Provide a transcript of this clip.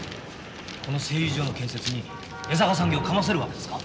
この製油所の建設に江坂産業をかませるわけですか？